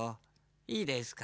いいですか。